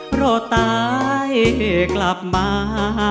เพราะตายกลับมา